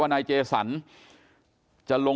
กลุ่มตัวเชียงใหม่